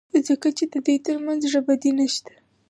ځکه چې د دوی ترمنځ زړه بدي نشته.